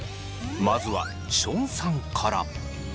まずはションさんから。